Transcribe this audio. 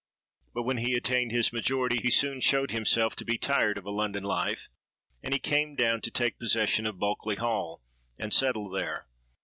But when he attained his majority, he soon showed himself to be tired of a London life; and he came down to take possession of Bulkeley Hall, and settle there.